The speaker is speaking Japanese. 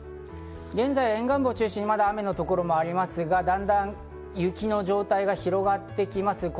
現在、沿岸部を中心にまだ雨の所もありますが、だんだん雪の状態が広がってきます。